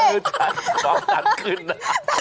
มือตันบางตันขึ้นนะ